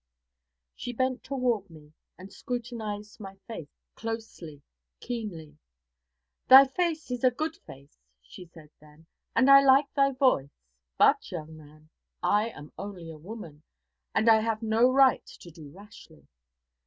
She bent toward me and scrutinized my face closely, keenly. 'Thy face is a good face,' she said then, 'and I like thy voice; but, young man, I am only a woman, and I have no right to do rashly.